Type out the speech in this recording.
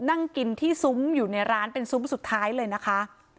นั่งกินที่ซุ้มอยู่ในร้านเป็นซุ้มสุดท้ายเลยนะคะ